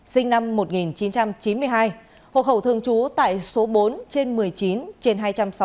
sinh năm một nghìn chín trăm chín mươi hai hộ khẩu thường trú tại số bốn trên một mươi chín trên hai trăm sáu mươi tám